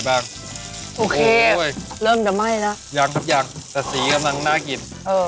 จะพาผู้หญิงไปทานอาหารร้านที่ไหนออกแถมไหน